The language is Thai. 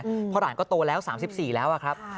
เพราะหลานก็โตแล้ว๓๔แล้วอะครับ